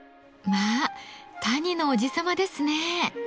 まあ谷のおじ様ですね。